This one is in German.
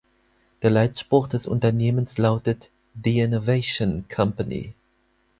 Der Leitspruch des Unternehmens lautet "„The Innovation Company“".